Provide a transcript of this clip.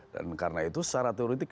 dan karena itu secara teoretik